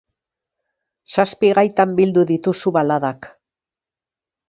Zazpi gaitan bildu dituzu baladak.